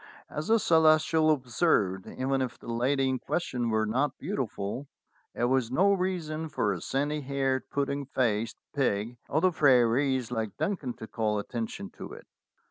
As the Celestial observed, even if the lady in question were not beautiful, it was no reason for a sandy haired pudding faced pig of the prairies like Duncan to call attention to it.